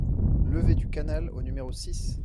Levée du Canal au numéro six